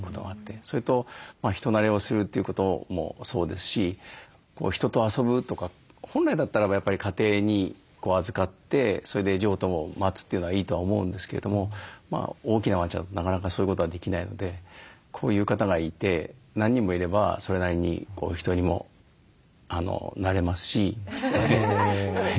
それと人なれをするということもそうですし人と遊ぶとか本来だったらばやっぱり家庭に預かってそれで譲渡を待つというのがいいとは思うんですけれども大きなワンちゃんだとなかなかそういうことはできないのでこういう方がいて何人もいればそれなりに人にもなれますし。